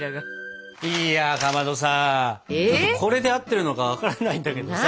いやかまどさちょっとこれで合ってるのか分からないんだけどさ